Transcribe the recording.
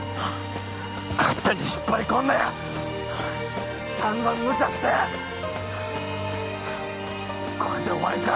勝手に引っ張り込んでさんざんむちゃしてこれで終わりかよ